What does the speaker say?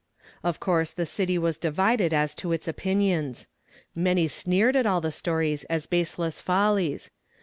Of course the city was divided as to its opinions. Many sneered at all the stories as baseless follies.